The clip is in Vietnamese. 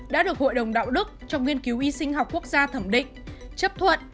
đã được hội đồng đạo đức trong nghiên cứu y sinh học quốc gia thẩm định chấp thuận